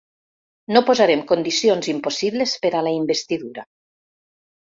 No posarem condicions impossibles per a la investidura.